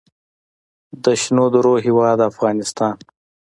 د شنو درو هیواد افغانستان.